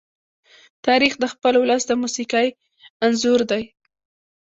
تاریخ د خپل ولس د موسیقي انځور دی.